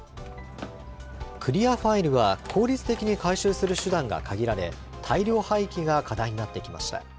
クリアファイルは効率的に回収する手段が限られ、大量廃棄が課題になってきました。